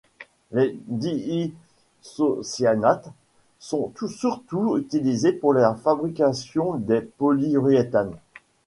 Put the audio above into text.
Les diisocyanates sont surtout utilisés pour la fabrication des polyuréthanes.